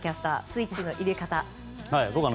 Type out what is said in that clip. スイッチの入れ方は。